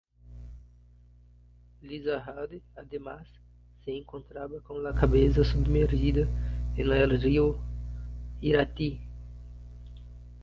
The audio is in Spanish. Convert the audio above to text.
Lizarralde, además, se encontraba con la cabeza sumergida en el río Irati.